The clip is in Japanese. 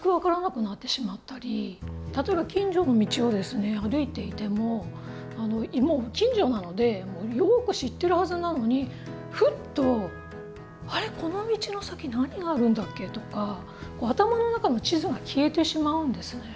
例えば近所の道を歩いていてももう近所なのでよく知ってるはずなのにふっと「あれこの道の先何があるんだっけ？」とか頭の中の地図が消えてしまうんですね。